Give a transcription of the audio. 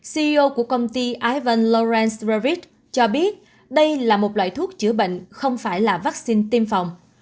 ceo của công ty ivan lawrence ravid cho biết đây là một loại thuốc chữa bệnh không phải là vaccine tiêm phòng